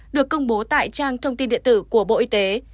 được công bố tại trang thông tin điện tử của bộ y tế